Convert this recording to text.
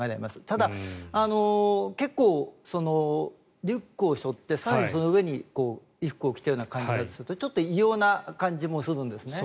ただ、結構リュックを背負って更にその上に衣服を着たような感じだとするとちょっと異様な感じもするんですね。